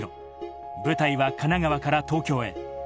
舞台は神奈川から東京へ。